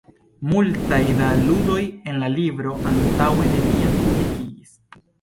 Multaj da la ludoj en la libro antaŭe neniam publikigis.